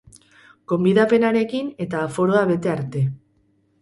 Gonbidapenarekin eta aforoa bete arte.